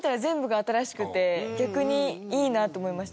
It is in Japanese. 逆にいいなと思いました。